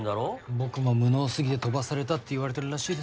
僕も無能すぎて飛ばされたっていわれてるらしいです。